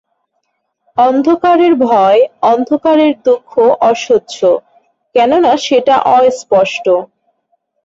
অন্ধকারের ভয়, অন্ধকারের দুঃখ অসহ্য, কেননা সেটা অস্পষ্ট।